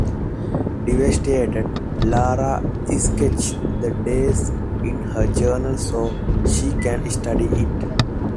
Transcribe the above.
Devastated, Lara sketches the dais in her journal so she can study it.